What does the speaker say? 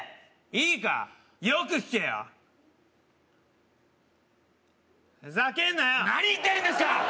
いいかよく聞けよふざけんなよ何言ってるんですか！